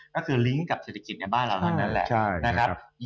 ก็คือลิงก์กับเศรษฐกิจในบ้านเรานั้นแหละ